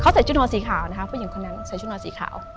ใส่ชุดนอนสีขาวนะคะผู้หญิงคนนั้นใส่ชุดนอนสีขาว